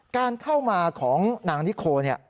การเข้ามาของนางนิโค